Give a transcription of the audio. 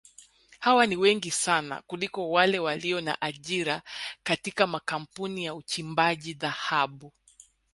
Hawa ni wengi sana kuliko wale walio na ajira katika makampuni ya uchimbaji dhahabu